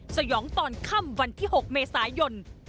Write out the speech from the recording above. สยองตอนค่ำวันที่๖เมษายน